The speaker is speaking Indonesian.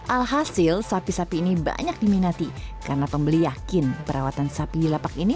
alhasil sapi sapi ini banyak diminati karena pembeli yakin perawatan sapi di lapak ini